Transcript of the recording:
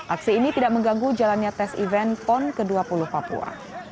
aksi ini tidak mengganggu jalannya tes event pon ke dua puluh papua